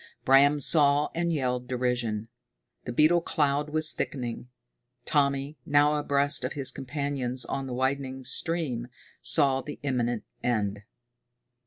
Bram saw and yelled derision. The beetle cloud was thickening. Tommy, now abreast of his companions on the widening stream, saw the imminent end.